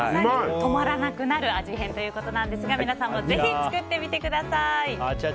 止まらなくなる味変ということですが皆さんもぜひ作ってみてください。